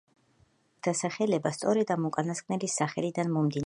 ქალაქის დასახელება სწორედ ამ უკანასკნელის სახელიდან მომდინარეობს.